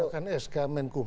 menggunakan sk menkum